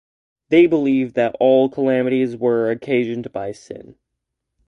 They believed that all calamities were occasioned by sin.